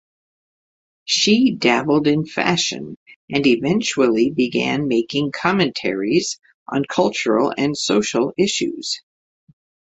She dabbled in fashion and eventually began making commentaries on cultural and social issues.